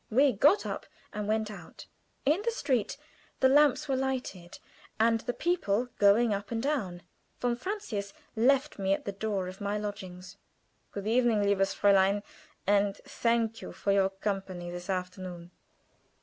We got up and went out. In the street the lamps were lighted, and the people going up and down. Von Francius left me at the door of my lodgings. "Good evening, liebes Fräulein; and thank you for your company this afternoon."